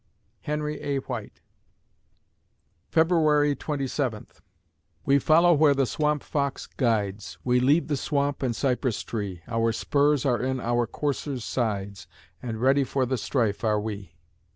HENRY A. WHITE February Twenty Seventh We follow where the Swamp Fox guides, We leave the swamp and cypress tree, Our spurs are in our coursers' sides, And ready for the strife are we.